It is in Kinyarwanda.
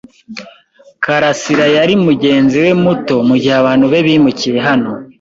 Karasirayari mugenzi we muto mugihe abantu be bimukiye hano.